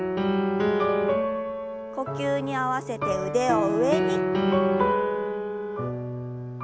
呼吸に合わせて腕を上に。